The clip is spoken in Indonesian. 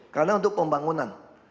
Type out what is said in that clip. karena untuk pembangunan